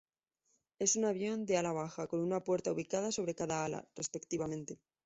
Es un avión de ala baja, con una puerta ubicada sobre cada ala, respectivamente.